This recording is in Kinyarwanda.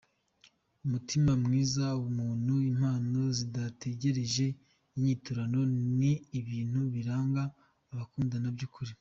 Umutima mwiza, ubumuntu, impano zidategereje inyiturano ni ibintu biranga abakundana by’ukuri.